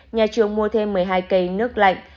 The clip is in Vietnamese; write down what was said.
nhà trường mua thêm một mươi hai cây nước lạnh